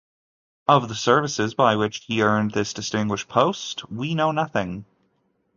Of the services by which he had earned this distinguished post we know nothing.